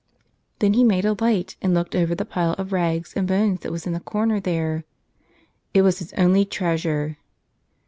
Then he made a light and looked over the pile of rags and bones that was in a corner there. It was his only treasure.